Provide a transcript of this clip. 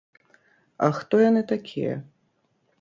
А хто яны такія?